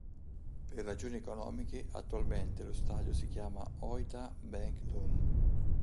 Per ragioni economiche attualmente lo stadio si chiama Ōita Bank Dome.